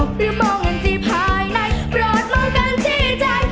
เผื่อมองเอิ้นที่ภายในปลอดหมองเอิ้นที่ใจ